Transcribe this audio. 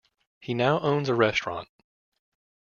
He now owns a restaurant.